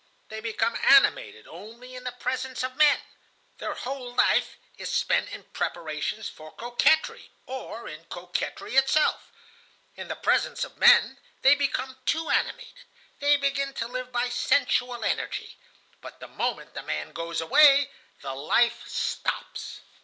They become animated only in the presence of men. Their whole life is spent in preparations for coquetry, or in coquetry itself. In the presence of men they become too animated; they begin to live by sensual energy. But the moment the man goes away, the life stops.